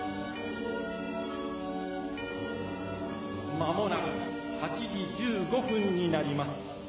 まもなく８時１５分になります。